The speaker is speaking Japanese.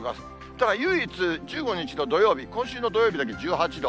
ただ唯一、１５日の土曜日、今週の土曜日だけ１８度。